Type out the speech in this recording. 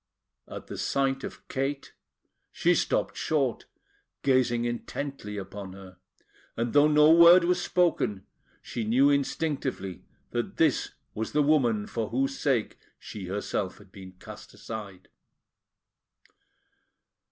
At the sight of Kate, she stopped short, gazing intently upon her; and though no word was spoken, she knew instinctively that this was the woman for whose sake she herself had been cast aside.